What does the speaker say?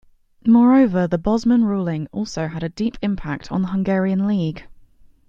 Moreover, the Bosman ruling also had a deep impact on the Hungarian League.